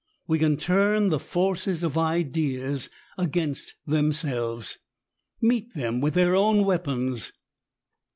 We can turn the forces of ideas against themselves ^meet them with their own weapons.